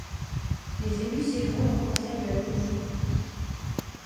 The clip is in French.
Les élus siègeront au Conseil de la Commune.